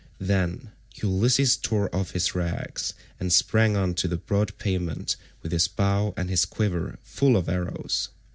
Then Ulysses tore off his rags, and sprang on to the broad pavement with his bow and his quiver full of arrows.